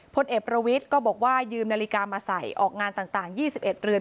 พลเอกประวิทย์ก็บอกว่ายืมนาฬิกามาใส่ออกงานต่าง๒๑เรือน